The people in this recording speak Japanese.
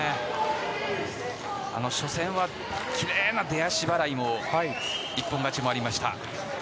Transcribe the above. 初戦はきれいな出足払いも一本勝ちもありました。